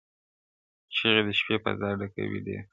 چيغې د شپې فضا ډکوي ډېر-